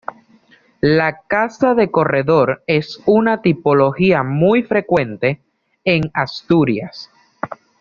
La casa de corredor es una tipología muy frecuente en Asturias.